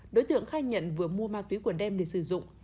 đối tượng khai nhận vừa mua ma túy của đem để sử dụng